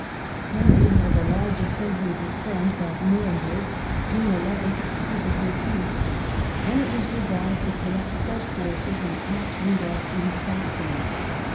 Henry held a large assembly of his friends at Nu remberg (June 11 13), when it was resolved to collect fresh forces and attack Rudolf in Saxony.